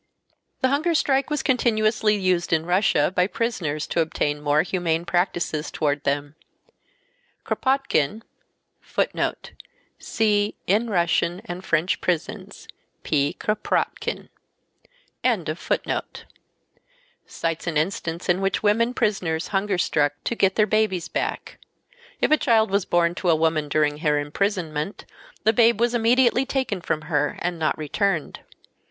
The hunger strike was continuously used in Russia by prisoners to obtain more humane practices toward them. Kropotkin cites an instance in which women prisoners hunger struck to get their babies back. If a child was born to a woman during her imprisonment the babe was immediately taken from her and not returned.